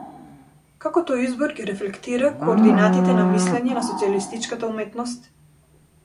Како тој избор ги рефлектира координатите на мислење на социјалистичката уметност?